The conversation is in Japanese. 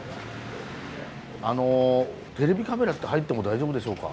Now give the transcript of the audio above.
あのテレビカメラって入っても大丈夫でしょうか？